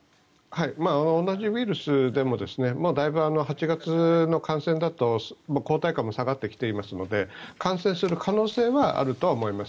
同じウイルスでもだいぶ、８月の感染だと抗体価も下がってきていますので感染する可能性はあると思います。